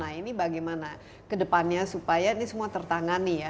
nah ini bagaimana kedepannya supaya ini semua tertangani ya